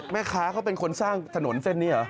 แม่ค้าเขาเป็นคนสร้างถนนเส้นนี้เหรอ